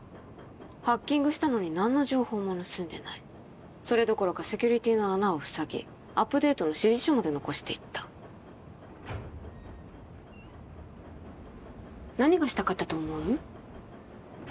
ハッキングしたのに何の情報も盗んでないそれどころかセキュリティーの穴をふさぎアップデートの指示書まで残していった何がしたかったと思う？